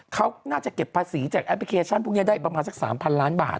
เขาน่าจะเก็บภาษีจากแอปพลิเคชันพวกนี้ได้ประมาณสัก๓๐๐ล้านบาท